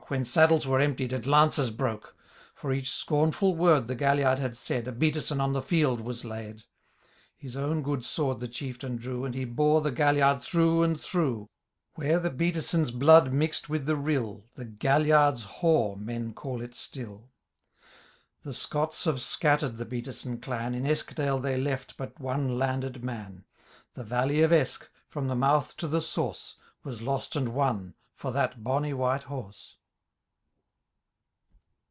When saddles were emptied, and lances broke ! For each scornful word the ChiUiard had said, A Beattison on the held was laid. His own good sword the chieftain drew. And he bore the Gklliard through and through : Where the Beattisons* blood mix'd with the rill. The Galliard^s Haugh men call it stilL The Scotts have scattered the Beattison clan. In Eskdale they left but one landed man. The valley of Eske, from the mouth to tlie Bource, Was lost and won for that bonny white horse.